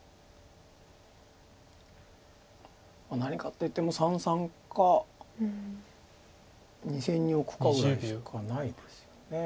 何かって言っても三々か２線にオクかぐらいしかないです。